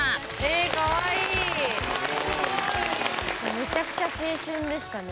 めちゃくちゃ青春でしたね